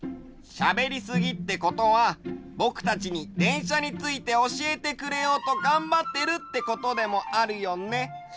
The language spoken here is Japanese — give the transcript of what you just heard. しゃべりすぎってことはぼくたちにでんしゃについておしえてくれようとがんばってるってことでもあるよね。